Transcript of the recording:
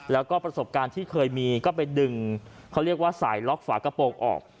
แล้วก็ประสบการณ์ที่เคยมีก็ไปดึงเขาเรียกว่าสายล็อกฝากระโปรงออก